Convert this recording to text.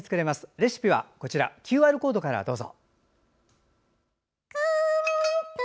レシピはこちら、ＱＲコードからどうぞ。